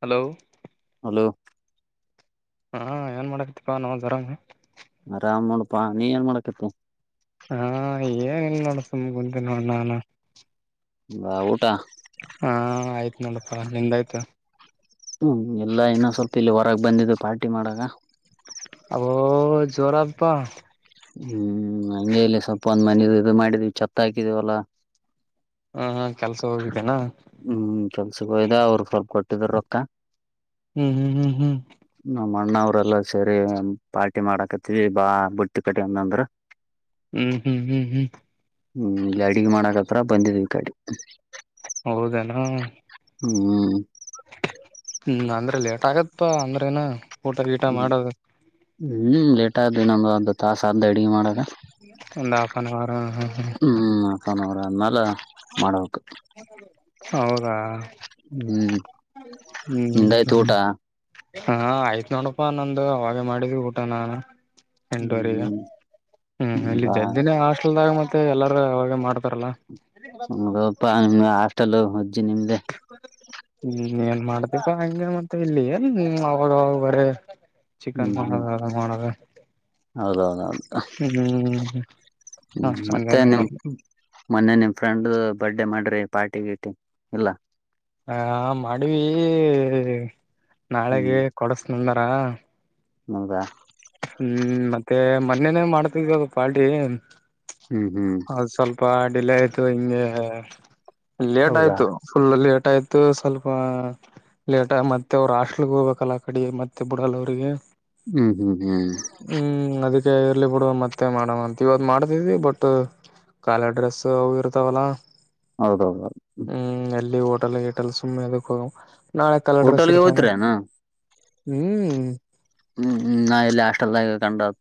Hello hello. ಹಾ ಏನ್ ಮಾಡಕತಿಪ್ಪಾ ನಾವು ಜರಂಗ. ಆರಾಮ್ ನೋಡುಪ ನೀ ಏನ್ ಮಾಡಕತ್ತಿ. ಹಾ ಏನಲ್ ನೋಡ ಸುಮ್ ಕುಂತೀನಿ ನೋಡ ನಾನು. ಬಾ ಊಟಾ. ಹಾ ಆಯ್ತು ನೋಡಪ್ಪಾ ನಿಂದಾಯ್ತು. ಹ್ಮ್ ಇಲ್ಲ ಇನ್ನ ಸ್ವಲ್ಪ ಇಲ್ಲಿ ಹೊರಗೆ ಬಂದಿದ್ವಿ. ಪಾರ್ಟಿ ಮಾಡಾಕ. ಅ ಜೋರ ಅದಪ. ಹ್ಮ್ ಹಿಂಗೆ ಇಲ್ಲಿ ಸ್ವಲ್ಪ ಒಂದ್ ಮನೆ ಇದು ಮಾಡಿದೀವಿ ಛತ್ ಹಾಕಿದಿವಲ್ಲಾ. ಹ ಹಾ ಕೆಲ್ಸ ಹೋಗಿ. ನಾ- ಕೆಲಸಕ್ಕೆ ಹೋಗಿದ್ದೆ ಅವ್ರರು ಸ್ವಲ್ಪ ಕೊಟ್ಟಿದರು ರೊಕ್ಕ. ಹ್ಮ್ ಹ್ಮ್ ಹ್ಮ್ ಹ್ಮ್. ನಮ್ಮ ಅಣ್ಣ ಅವರೆಲ್ಲ ಸೇರಿ ಪಾರ್ಟಿ ಮಾಡಕತ್ತವಿ ಬಾ ಬುತ್ತಿ ಕಟ್ಟಿಕೊಂಡು ಅಂತಂದ್ರು ಹ್ಮ್ ಹ್ಮ್ ಹ್ಮ್ ಹ್ಮ್ ಹ್ಮ್ ಇಲ್ಲೆ ಅಡಿಗೆ ಮಾಡಕತ್ಯಾರ ಬಂದಿದ್ವಿ ಈ ಕಡಿ ಹೌದನು. ಹ್ಮ್. ಹ್ಮ್ ಅಂದ್ರೆ ಲೇಟ್ ಆಗಿತಪ್ಪ ಅಂದ್ರೆ ಇನ್ನ. ಊಟ ಗೀಟ ಮಾಡೋದು. ಹ್ಮ್ ಲೇಟ್ ಆತದ ಇನ್ನೊಂದು ಅರ್ದ ಆದ್ದ ತಾಸು ಅಡಿಗೆ ಮಾಡಾಕ. ಇನ್ನೊಂದು ಹಲ್ಫನ್ ಹಾವೌರ್ ತವರ ಅನ್ನಲ್ಲ. ಮಾಡಬೇಕಕ್ ಹೌದಾ ಹ್ಮ್ ಹ್ಮ್ ನಿಂದಾಯ್ತು ಹ್ಮ್ ಊಟ. ಹಾ ಆಯ್ತ್ ನೋಡಪ್ಪಾ ನಂದು ಅವಾಗ ಮಾಡಿದ ಊಟ ನಾನು. ಹ್ಮ್ ಹ್ಮ. [unintelligible] ಲ್ದಾಗ್ ಮತ್ತೆ ಎಲ್ಲಾರೂ ಅವಾಗೆ ಮಾಡ್ತಾರಲ್ಲ. ಹೌದಪ್ಪ ನಿಮ್ ಅ ತಲೋ ಮತ್ ಜಿ ನಿಮ್ದೇ. ಇನ್ನೇನ್ ಮಾಡ್ತ್ಯಾಪ್ಪ ಹಂಗ ಮತ್ತ ಇಲ್ಲಿ ಎ ಇನ್ ಅವಾಗವಾಗ್ ಬರೆ. ಚಿಕನ್ ಸಂಬಾರ ಮಾಡದೆ. ಹೌದೌದೌದ್ ಹ್ಮ್ ಮತ್ತೆ ಅಷ್ಟಂದೇನಿಲ್ಲ ನಿಮ್ ಮೊನ್ನೆ ನಿಮ್ ಫ್ರೆಂಡ್. ಬರ್ಡೇ ಮಾಡ್ರಿ ಪಾರ್ಟಿ ಗಿಟಿ ಇಲ್ಲ. ಅಯ್ಯ ಮಾಡಿವಿ. ನಾಳೆಗೆ ಕೊಡಸ್ ನಂದರಾ. ನೌದ. ಹ್ಮ್ ಮತ್ತೆ ಮೊನ್ನೇನೇ ಮಾಡ್ದಿದು ಪಾರ್ಟಿ. ಹ್ಮ್ ಹ್ಮ್ ಹೌದ್ ಸ್ವಲ್ಪ ಡಿಲೆ ತೊ ಇಂಗೆ. ಲೇಟ್ ಹೌದಾ ಆಯ್ತು ಫುಲ್ ಲೇಟ್ ಟಾಯ್ತು ಸ್ವಲ್ಪ ಲೇಟ್ ಮತ್ತೆ ಅವ್ರ್ ಹಾಸ್ಟೆಲ್ಗ ಹೋಗ್ಬೇಕಲ್ಲ ಅಕಡಿ ಮತ್ತೆ ಬಿಡಲ್ಲ ಅವ್ರಿಗೆ. ಹ್ಮ್ ಹ್ಮ್. ಹ್ಮ್ ಹ್ಮ್ ಅದಕ್ ಕೆ ಇರ್ಲಿ ಬಿಡು ಮತ್ತೆ ಮಾಡಮ್ ಅಂತ ಇವಗ್ ಮಾಡ್ತಿದ್ವಿ ಬಟ ಕಾಲ ಡ್ರೆಸ್ ಅವ್ ಇರ್ತಾವಲ್ಲ. ಹೌದೌದೌದ್. ತೆಲೆ ಗೆಟಲ್ಲ ಸುಮ್ನೆ ಯದುಕ್ ಹೋಗಮ್ ಬರ್ರಿ. ಹೋಟೆಲ್ಗೆ ಹೋಯ್ತ್ರೆನಾ. ಹ್ಮ್ ಹ್ಮ್ ಹ್ಮ್ ನ ಹಾಸ್ಟೆಲ್ದಲ್ಲೆ ಡಂ ಡಂ.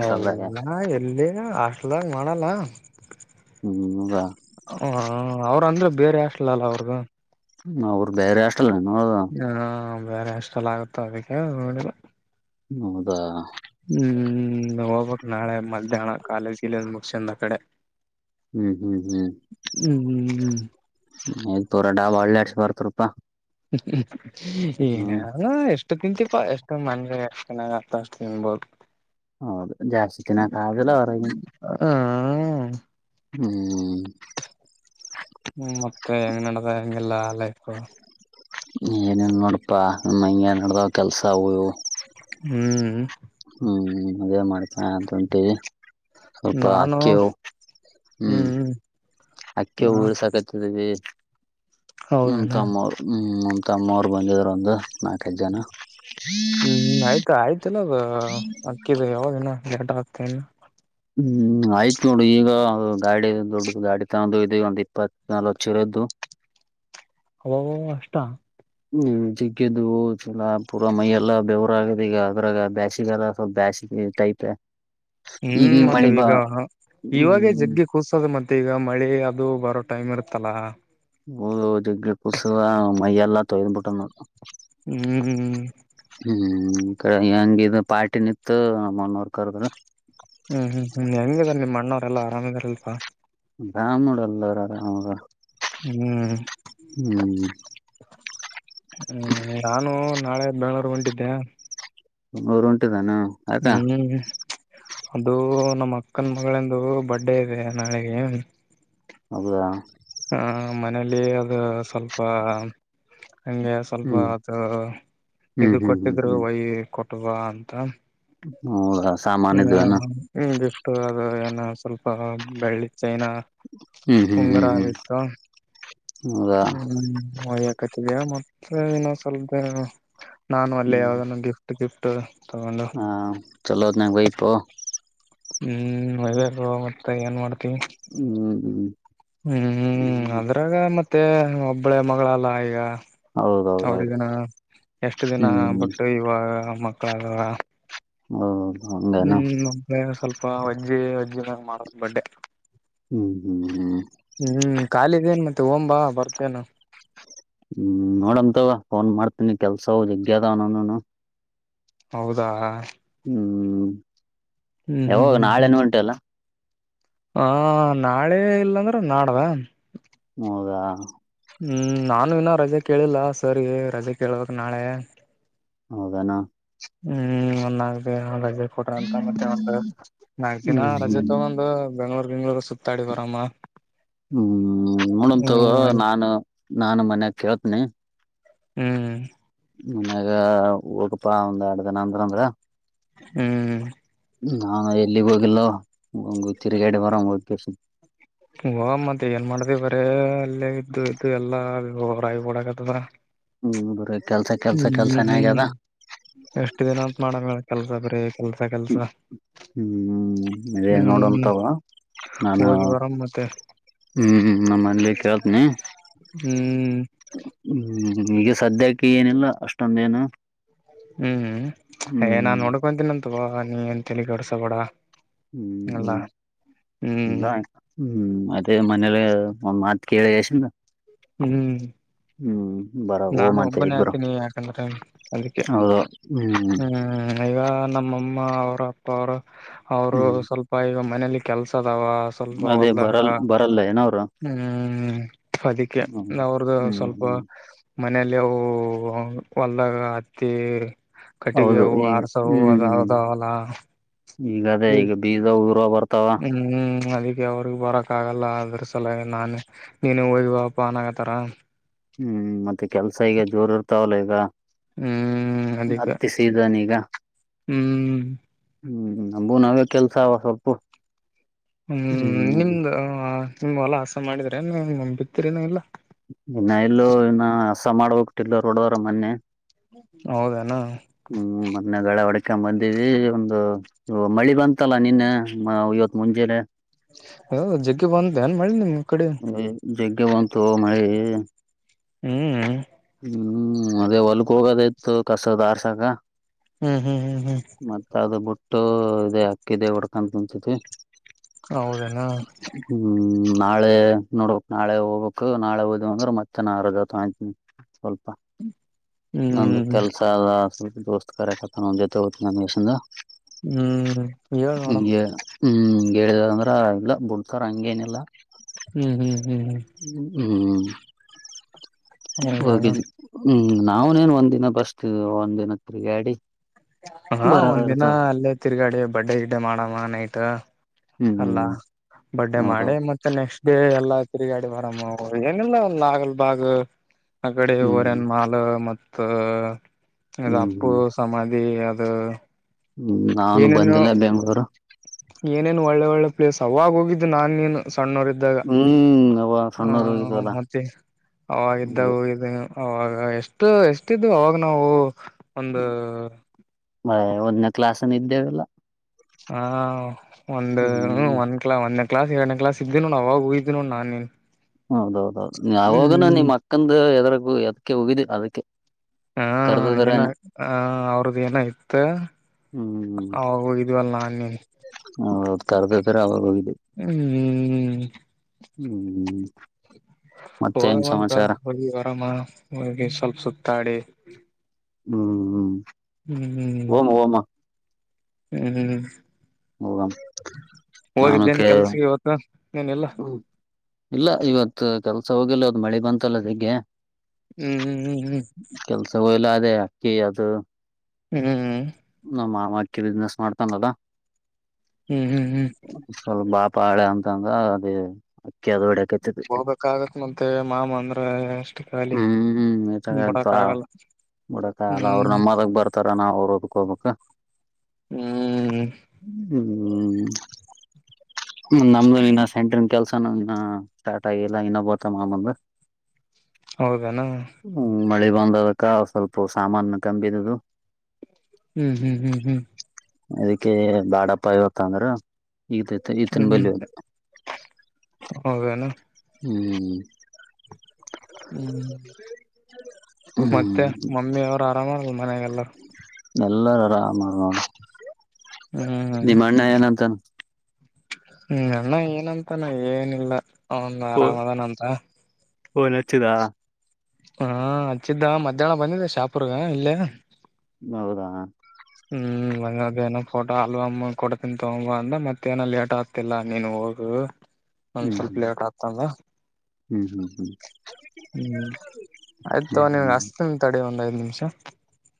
ಹೌದು ನಾ ಎಲ್ಲಿ. ಹಾಸ್ಟೆಲ್ದಾಗ್ ಮಾಡಲ್ಲ. ಹ್ಮ್ ಹ್ಮ್ ರ. ಹಂಗ ಅವ್ರ್ ಅಂದೆ. ಬೇರೆ ಹಾಸ್ಟೆಲೆಲಾ ಅ ಹುಡ್ಗ. ಹ್ಮ್ ಅವ್ರ್ ಬೇರೆ ಹಾಸ್ಟ್ ಟಲ್ಲೇ ನೋಡ್ದಮ್. ಹ ಬೇರೆ ಹಾಸ್ಟೆಲ್ ಆಗುತ್ತೋ ಅವ್ರಿಗೆ ನೋಡಿಲ್ಲ. ಹ್ಮ್ ಹೌದಾ. ಹ್ಮ್ ಹೋಗ್ಬೇಕ್ ನಾಳೆ ಮಧ್ಯಾಹ್ನ ಕಾಲೇಜ್ ಗಿಲೇಜ್ ಮುಗುಸ್ಕ್ಯಾಂದ ಆ ಕಡೆ. ಹ್ಮ್ ಹ್ಮ್ ಹ್ಮ್ ಹ್ಮ್. ಯ್ ತೋರ್ ಡಾಬಾ ಅಳ್ ಆಡ್ಸ ಬರ್ತ್ರೂಪಾ. ಹ್ಮ್ಮ ಏನೊ ಎಷ್ಟು ತಿಂತಿ ಪ್ಪ ಎಷ್ಟೊ ಮನ್ ಎಷ್ಟ ಚೆನ್ನಾಗ್ ಆತ್ತ ಅಷ್ಟು ತಿನ್ಬೋದು. ಹೌದು ಜಾಸ್ತಿ ತಿನ್ನಕ್ ಆಗಿಲ್ಲ ಹೊರಗಿನ್. ಹ್ಮ ತೆ ಹೆಂಗ್ ನಡದ ಹೆಂಗೆಲ್ಲ ಲೈಫು. ಏನಿಲ್ ನೋಡ್ಪಾ ನಮ್ ಹಂಗೆ ನಡ್ದಾವ್ ಕೆಲ್ಸ ಅವು ಇವು. ಹ್ಮ್ ಹ್ಮ್ ಅದೇ ಮಾಡ್ ಹಾಂತ್ ಉಂಟಿ ಸ್ವಲ್ಪ ನಾನು ಅಕ್ಕಿವ್ ಹ್ಮ್. ಅಕ್ಕಿ ನಾ ಊಳ್ಸಕತ್ತಿದ ಬಿ. ಎ. ನಿಮ್ ಹೌದಣ ತಮ್ಮೋರ್ ಹ್ಮ್. ಇ ಮ್ಮ ತಮ್ಮೋರ್ ಬಂದಿದ್ರು ಒಂದು ನಾಕ್ಕೈದ್ ಜನ. ಹ್ಮ್ ಆಯ್ಕ ಆಯ್ತು. ಇನ್ನದ ಅಕ್ಕಿದ ಯಾವಾಗಿನ. ಎಟೊದ್ಕರಿನು. ಹ್ಮ್ ಆಯ್ತ ನೋಡು ಈಗ ಗಾಡಿ ದೊಡ್ದು ಗಾಡಿ ತಗೊಂಡು ಇದಿವ್ ಒಂದ್ ಇಪ್ಪತ್ ನಾಲ್ವಚಿರದ್ದು. ಅವವಾವ್ ಅಷ್ಟ. ಹ್ಮ್ ಜಿಗ್ಗಿದ್ದು ಚಲಾ ಪೂರ ಮೈಯ್ ಎಲ್ಲ ಬೆವರ ಆಗದೆ ಈಗ ಅದ್ರಾಗ ಬ್ಯಾಸಿಗೆಲ್ಲ ಸ್ವಲ್ಪ ಬ್ಯಾಸಿಗ್ ಟೈಪ್ ಆಯ್ತೆ. ಹ್ಮ್ ಮತ್ತ ವಿಗಾಹ ಇವಾಗೇ ಹ್ಮ್ ಜಗ್ಗಿ ಕುಸೋದ್ ಮತ್ ಮತ್ ಈಗ ಮಳಿ ಅದು ಬರೋ ಟೈಮ್ ಇರುತ್ತಲ್ಲ. ಓದು ಜಗ್ರಿ ಕೂಸು ಅ ಮೈಯಲ್ಲ ತೊಯ್ದ್ಬುಟ್ಟ ನೋಡ್. ಹ್ಮ್. ಹ್ಮ್ ಕ ಹೆಂಗಿದ ಪಾರ್ಟಿ ನಿತ್ತು ನಮ್ಮನ್ ವರ್ಕರ್. ಹ್ಮ್ ಹ್ಮ್ ಹ್ಮ್ ಹೆಂಗಿದಾರ್ ನಿಮ್ಮ್ ಅಣ್ಣವ್ರ ಎಲ್ಲಾ ಆರಾಮಿದರಲ್ಪಾ. ಬ್ರಾಮುಡ್ ಎಲ್ಲರ್ ಅಲ್ ಅವಾಗ. ಹ್ಮ್ ಹ್ಮ್ ಹ್ಮ್ ನಾನು ನಾಳೆ. ನಳಾರ್ ಹೊಂಟಿದ್ದೆ. ನಮ್ಮೊರ್ ಹೊಂಟ್ ಹ್ಮ್ ಹ್ಮ್ ಅದು. ನಮ್ ಅಕ್ಕನ್ ಮಗ್ಳಂದು ಬರ್ಡೇ ಇದೆ ನಾಳೆಗೆ. ಹೌದಾ. ಹ ಮನೇಲಿ ಅದು ಸ್ವಲ್ಪ. ಹಂಗೆ ಸ್ವಲ್ಪ ಹ್ಮ್ ಅದು ಹ್ಮ್ ಇದು ಹ್ಮ್ ಹ್ಮ್ ಕೊಟ್ಟಿದ್ರು ಹ್ಮ್ ವೈ ಕೊಟ್ ಟ್ವಾ ಅಂತ. ಹ್ಮ್ ಹೌದಾ. ಸಾಮಾನ ಇದ್ವೇನ [unintelligible] ಗಿಫ್ಟು ಅದು ಏ ನಾವ್ ಸ್ವಲ್ಪ ಬೆಳ್ಳಿದ್ ಚೈನಾ. ಹ್ಮ್ ಹ್ಮ್ ಉಂಗರ ಹ್ಮ್ ಹ್ಮ್ ಆಗಿತ್ತು ಹೌದಾ ಹ್ಮ್ [unintelligible] ಏನೋ ಸಲ್ಪ ಏನೂ [unintelligible] ನಾನು ಅಲ್ಲಿ ಯಾವುದನೊ [unintelligible] ಗಿಫ್ಟ್ ಗಿಫ್ಟ್ ಟ [unintelligible] ಹ ಚಲೋ [unintelligible] ನಾ ವೈಫು ಹ್ಮ್ [unintelligible] ಮತ್ತ [unintelligible] ಏನ್ ಮಾಡ್ತೀ ಹ್ಮ್ ಹ್ಮ್ ಹ್ಮ್ ಹ್ಮ್ ಅದ್ರಾಗ ಮತ್ತ ತ್ತೆ ಒಬ್ಬಳೆ ಮಗಳಲ್ಲ ಈಗ ಹೌದೌದೌದು ಅವ್ರಗನ ಎಷ್ಟು ದಿನ ಹ್ಮ್ ಬಿಟ್ಟು ಇವಾಗ ಮಕ್ಕಳಾದಾರ ಹ್ಮ ಹ್ಮ್ ಬೇಗ ಸ್ವಲ್ಪ ಹೊಜ್ಜಿ ಒಜ್ಜಿನಗ್ [unintelligible] ಮಾಡದು ಬಡ್ಡೆ ಹ್ಮ್ ಹ್ಮ್ ಹ್ಮ್ ಹ್ಮ್ ಖಾಲಿದೇನ್ ಮತ್ತೆ ಓಂಬಾ ಬರ್ತೇನು ಹ್ಮ್ ನೋಡಂತ ಫೋನ್ ಮಾಡ್ತನಿ ಕೆಲ್ಸ ಹು ಜಗ್ಯದನನುನು [unintelligible] ಹೌದಾ ಹ್ಮ ಹ್ಮ್ ಹ್ಮ್ ಯಾವಗ್ ಹ್ಮ್ ಹ್ಮ್ ನಾಳೆನು ಉಂಟುಲ್ಲ [unintelligible] ಹ ನಾಳೆ ಇಲ್ಲಾಂದ್ರೆ ನಾಡ್ದ ಹೌದಾ ಹ್ಮ್ ನಾನು ಇನ್ನ ರಜೆ ಕೇಳಿಲ್ಲ ಸರಿ ರಜೆ ಕೇಳಬೇಕ್ ನಾಳೆ ಹೌದಾನಾ ಹ್ಮ್ ಒಂದ್ ನಾಕ್ ದಿನ ರಜ್ [unintelligible] [unintelligible] ಫೋಟೋ ಅಂತ ಮತ್ತೆ ಒಂದು ಹ್ಮ್ ನಾಲ್ಕ್ ದಿನ ರಜೆ ಹ್ಮ್ ತಗೊಂದು ಬೆಂಗಳೂರ್ ಗಿಂಗಳೂರ್ ಸುತ್ತಾಡಿ ಬರಮ್ಮ ಹ್ಮ ಆಯ್ತ್ ನಾನ್ ಮನ್ಯಾಗ ಕೇಳ್ತನಿ ಹ್ಮ ಮನ್ಯಾಗ ಹೋಗಪಾ ಒಂದ್ ಎರಡು ದಿನ ಅಂದ್ರಂದ್ರ ಹ್ಮ್ ನಾ ಎಲ್ಲಿಗ್ ಹೋಗಿಲ್ಲ ಹಂಗ ತಿರ್ಗಾಡೆ ಬರಂಗ ಹೋಗೆ [unintelligible] ಹಓ ಮತ್ತೆ ಏನ್ ಮಾಡ್ದ ಬರೆ ಅಲ್ಲೇ ಇದ್ದು ಇದ್ದು ಎಲ್ಲಾ [unintelligible] ರಾಗಿ ಓಡಕತದ್ರ ಹ್ಮ್ರ [unintelligible] ಹ್ಮ್ ಹ್ಮ್ ಎಷ್ಟ ದಿನ ಅನ್ ಮಾಡಕ್ [unintelligible] ಕೆಲ್ಸ ಬರೆ ಕೆಲ್ಸ ಕೆಲ್ಸ ಹ್ಮ್ ಇದೇ ಹ್ಮ್ ನೋಡಂತಾವ ನಾನ ಹೋಗಿ ಬರಮ ಮತ್ತೆ ಹ್ಮ್ ನಮ್ಮನಲಿ ಕೇಳ್ತನಿ ಹ್ಮ್ ಹ್ಮ್ ಈಗ ಸದ್ಯಕ್ಕೆ ಏನಿಲ್ಲ ಅಷ್ಟೊಂದೇಏನು ಹ್ಮ್ ಹ್ಮ್ ಹೆಯ್ ನಾನ್ ನೋಡ್ಕೊಂತೀನಂನ್ ತಗೋ ನೀ ಏನ್ ತಲಿ ಕೆಡುಸ್ಕೊಬೇಡ. ಹ್ಮ್ ಹ್ಮ್ ಬ ಹ್ಮ್ ಅದೇ ಮನೆಲೆ ಫೋನ್ ಮಾಡ್ ಕೇಳೆ ಎಶಿಂದ. ಹ್ಮ್ ಬರ ಓಮ್ ನಾನು ಅಂತ ಒಬ್ಬನೇ ಇಬ್ರು ಅಕಿನಿ ಯಾಕಂದ್ರೆ ಅದಕ್ಕೆ ಹೌದು ಹ್ಮ್ ಹ್ಮ್ ಇವಗ ನಮ್ ಮಮ್ ಮ್ಮ ಅವ್ರ್ ಅಪ್ಪ ಅವ್ರ. ಅವ್ರು ಸ್ವಲ್ಪ ಈಗಮ್ ಮನೆಲಿ ಕೆಲ್ಸದ್ ಮದ್ವೆಗ್ ಬರಲ್ ಬರಲ್ಲ ಏನ್ ಅವ್ರು. ಹ್ಮ್ ಫದಿಕ್ಕೆ ಅವ್ರ್ದ ಹ್ಮ್ ಸ್ವಲ್ಪ. ಹ್ಮ್ ಮನೆಲಿ ಅವ್ ಹೊಲ್ದಾಗ ಹತ್ತಿ. ಕಟ್ಟಿಗಿ ಹೌದು ಅವು ಈಗ ಆರ್ಸವು ಅದಾವದಾವಲ್ಲ. ಈಗ್ ಅದೇ ಈಗ ಬೀಜ ಉ [unintelligible] ಹ್ಮ್ ಅ ದಿಕ್ಕೆ ಅವ್ರಗ್ ಬರಕ್ ಆಗಲ್ಲ ಅದ್ರ ಸಲ ನಾನೇ ನೀನು ಹೋಗಿ ಬಾ ಪಾ ಅನ್ನಾಕತ್ತಾರ. ಹ್ಮ್ ಮತ್ತೆ ಕೆಲ್ಸ ಈಗೆ ಜೋರೋರ್ದ್ ತವ್ಲಿಗ. ಹ್ಮ್ ಅದಕ್ಕೆ ಹತ್ತಿ ಸಿದ ನೀಗ. ಹ್ಮ್ ಹ್ಮ್ ನಮ್ಗೂ ನಾವೇ ಕೆಲ್ಸ ಸೊಪ್ಪು. ಹ್ಮ್ ನಿಮ್ದು ಆ. ನಿಮ್ ವಲ ಹಸ ಮಾಡಿದ್ರೆ ಏನ್ ಬಿತ್ರಿನ ಇಲ್ಲ. ಇನ್ನ ಇಲ್ಲೂ ಇನ್ನ ಹಸ ಮಾಡ್ಬಕ್ಟಿಲ್ಲ ರೋಡೋರ ಮೊನ್ನೆ. ಹೌದೆನಾ. ಇಕಂ ಬಂದೀವಿ ಒಂದು ಮಳಿ ಬಂತಲ್ಲ ನೆನ್ನೆ ಮ ಇವತ್ ಮುಂಜಲೆ. ಹೌ ಜಗ್ಗಿ ಬಂತ ಏನ್ ಮಳಿ ನಿಮ್ ಕಡೆ ವಯ್ ಜಗ್ಗಿ ಬಂತ್. ತೊ ಮಳಿ. ಹ್ಮ್ ಹ್ಮ್ ಅದೇ ಹೊಲ್ಗ್ ಹೋಗೋದ್ ಇತ್ತು ಕಸದ್ ಆರ್ಸಕ. ಹ್ಮ್ ಹ್ಮ್ ಹ್ಮ್. ಮತ್ ಅದ ಬುಟ್ ಟೊ ಅದೆ ಅಕ್ಕಿ ದೇವ್ರ್ಗ್ ಅಂತ್ ಅನ್ಸುಂದಿ. ಹೌದೇನಾ. ಹ್ಮ್ ನಾಳೆ ನೋಡ್ಬೇಕ್ ನಾಳೆ ಹೋಗ್ಬೇಕು ನಾಳೆ ಓದ್ ಅಂದ್ರೆ ಮತ್ತೆ ನರದ್ [unintelligible] ಸ್ವಲ್ಪ. ನಂದ್ ಹ್ಮ್ ಕೆಲ್ಸ ಅದ. ದೋಸ್ತ್ ಕಾರ್ಯಕತನ್ ಒಂದ್ ಜೋತ್ ತೋತ್ ನನ್ ಯಶಂದ. ಹ್ಮ್ ಹೇಳ್ ನೋಡಮ್. ಕೇಳಿದ ಅಂದ್ರ ಇಲ್ಲ ಉಪ್ಕಾರ್ ಹಂಗೇನ್ ಇಲ್ಲ. ಹ್ಮ್ ಹ್ಮ್. ಹ್ಮ್ ಹ್ಮ್ ಹೌದೇನಾ ಫೋಗಿದ್ ಹ್ಮ್. ನಾವ್ನೇನ್ ಒಂದ್ ದಿನ ಬಸ್ತ ಒಂದ್ ದಿನ ತಿರ್ಗ್ಯಡಿ. ಹಾ ಒಂದ್ ದಿನ ಅಲ್ಲೇ ತಿರ್ಗಾಡಿ ಬಡ್ಡೆ ಗಿಡ್ಡೆ ಮಾಡಮ್ಮ ನೈಟ. ಹ್ಮ್ ಹ್ಮ್. ಬಡ್ಡೆ ಮಾಡಿ ಹೌದೌದು ಮತ್ತ ನೆಕ್ಸ್ಟ್ ಡೇ. ಗೆ ಎಲ್ಲಾ ತಿರುಗಾಡಿ ಬರಾಮ್ಮು ಏನಿಲ್ಲ ಒಂದ್ ನಾಗಲ್ಬಾಗ. ಆ ಕಡೆ ಹ್ಮ್ ಒರ್ಯನ್ ಮಾಲ್ ಮತ್ ತ್ತ. ಹ್ಮ್ ಇದಪ್ಪು ಸಮಾಧಿ. ದ. ಹ್ಮ ನಾನ್ ಬಂದಿಲ್ಲ ಬೆಂಗ್ಳೂರ. ಏನೇನ್ ಒಳ್ಳೆ ಒಳ್ಳೆ ಪ್ಲೇಸ್ ಅವಾಗ್ ಹೋಗಿದ್ ನಾನ್ ನೀನ್ನ. ಕಣ್ಣೂರ್ ಇದ್ದಾಗ ಹ್ಮ್ ಅವ ಹ ಸಣ್ಣವರು ಇದವಲ್ಲ ಮತ್ತೆ ಅವಾಗ್ ಇದ್ದಾಗ್ ಹೌದು ಹೋಗಿದ್ ಅವಾಗ ಎಷ್ಟು ಎಷ್ಟಿದ್ವ ಅವಾಗ್ ನಾವು. ಒಂದು ಬ್ಯಾ ಒಂದ್ನೆ ಕ್ಲಾಸನ್ ಇದ್ ಏನಿಲ್ಲ. ಹ ಒಂದ ಹ್ಮ್ ಒಂದ್ ಕಿಲೋ ಒಂದೆ. ಕ್ಲಾಸಿಗ್ ಎರಡ್ನೇ ಕ್ಲಾಸ್ ಇದಿವ್ ನೋಡ್ ಅವಾಗ ಊಹಿದ್ನೊ ನಾನ್ ನೀನ್. ಹೌದೌದೌದು ಯಾವಾಗನ ಹ್ಮ್ ನಿಮ್ ಅಕ್ಕಂದ ಎದ್ರ ಹು ಯದ್ಕೆ ಹೋಗಿದೆ ಅದ್ಕೆ. ಹಾ ಏನ ಹ ಅವ್ರ್ದ ಏನ ಇತ್ತ. ಅವಾಗ್ ಹೋಗಿದ್ವಲ್ ನನ್ ನೀನ್. ಹೊ ಹತ್ ಕರ್ದ ಹ್ಮ್ ಹ್ಮ್ ಮತ್ತೇನ್ ಹೋಗಂತ ಸಮಾಚಾರ ಹೋಗಿ ವರಾಮ ಹೋಗಿ ಸ್ವಲ್ಪ್ ಸುತ್ತಾಡಿ. ಹ್ಮ ಹ್ಮ. ಹ್ಮ್ ಹ್ಮ್. ಹ್ಮ್ ಹ್ಮ್. ಹೋಗಮ್ ನಾನು ಹೋಗಿದ್ದೇನ್ ಕ್ಕೆ ಕೆಲ್ಸಕ್ಕೆ ಇವತ್ತು ಏನಿಲ್ಲ ಇಲ್ಲ ಇವತ್ತು. ಕೆಲ್ಸ ಹೋಗಿಲ್ಲ ಇವತ್ ಮಳಿ ಬಂತಲ್ಲ ಅದಿಕೆ. ಹ್ಮ್ ಹ್ಮ್ ಹ್ಮ್. ಹೋಗಿಲ್ಲ ಅದೇ ಅಕ್ಕಿ ಅದು. ಹ್ಮ್ ಹ್ಮ್ ನಮ್ ಮ ಮಡ್ಕಿ ಬಿಸ್ನೆಸ್ ಮಾಡ್ತಾನ್ ಅದ. ಹ್ಮ್ ಹ್ಮ್ ಹ್ಮ್. ಪಾಳ್ಯ ಅಂತಂದ ಅದೇ. ಕೆದ್ವುಡೆ ಕಚಿದೆ ಹೋಗ್ಬೇಕಾಗತ್ ಮತ್ತೆ ಮಾಮ ಅಂದ್ರ ಎಷ್ಟು ಖಾಲಿ ಹ್ಮ್ ಹ್ಮ್ ಇತಾಗತ್ ಬಿಡಕ್ ಆಗಲ್ಲ ಬುಡಕಲ್ಲ ಅವ್ರ್ ಹ್ಮ್ ನಮ್ ಹೊಲಕ್ ಬರ್ತಾರ ನಾವ್ ಅವ್ರ ಹೋಲು ಕೋಬೇಕ. ಹ್ಮ್ ಹ್ಮ್ ನಮ್ದು ಇನ್ನ ಸೆಂಟ್ರನ್ ಕೆಲ್ಸನ ಇನ್ನ ಸ್ಟಾರ್ಟ್ ಆಗಿಲ್ಲ ಇನ್ನ ಬರ್ತ ಮಾಮಂದ. ಹೌದೆನ. ಹ್ಮ್ ಮಳಿ ಬಂದದಕ ಸ್ವಲ್ಪ ಸಾಮಾನ ಕಂಬಿದುದು. ಹ್ಮ್ ಹ್ಮ್ ಹ್ಮ್ ಹ್ಮ್. ಅದಿಕ್ ಕ್ಕೆ ಬಾಡಪ್ಪ ಇವತ್ ಅಂದ್ರ. ಈತತ ಈತನ್ ಬಲ್ಯೋದು. [unintelligible] ಹೌದೇನು. ಹ್ಮ್ ಹ್ಮ್ [unintelligible] ಮತ್ತೆ ಮಮ್ಮಿ ಅವ್ರ ಆರಾಮ ಮನೆಗೆಲ್ಲ. ಎಲ್ಲರ್ ಆರಾಮಗ್ ಅವ್ರ್. ನಿಮ್ ಅಣ್ಣ ಏನಂತಾನ. ನ ಅಣ್ಣ ಏನಂತಾನ ಏನಿಲ್ಲ. ಅವ್ನ್ ಆರಾಮ್ ಅದಾನ್ ಅಂತ. ಪೋನ್ ಹಚ್ಚಿದ. ಹಾ ಹಚ್ಚಿದ್ದ ಮಧ್ಯಾಹ್ನ ಬಂದಿದೆ ಶಾಪೂರ್ಗ ಇಲ್ಲೇ. ಹೌದಾ. ಹ್ಮ್ [unintelligible] ಫೋಟೋ ಆಲ್ಬಮ್ ಕೊಡ್ತೀನಿ ತಗೊಂಬ ಅಂದ ಮತ್ತ ಏನ ಲೇಟ್ ಆಗ್ತಿಲ್ಲ ನೀನ್ ಹೋಗು. ಒಂದ್ ಹ್ಮ್ ಸ್ವಲ್ಪ ಲೇಟ್ ಹ್ಮ್ ಆಗ್ತಂದ ಹ್ಮ್ ಹ್ಮ್ ಹ್ಮ್ ಹ್ಮ್ ಆಯ್ತು ಹ್ಮ್ ನೀನ್ಗೆ ಹ್ಮ್ ಅಸ್ತಿನ್ ತಡಿ ಒಂದ್ ಐದ್ ವನ್ ನಿಮ್ಷ.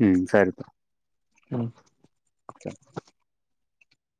ಹ್ಮ್ ಸರಿ. ನೊ. ಹ.